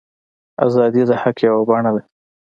ازادي د حق یوه بڼه ده.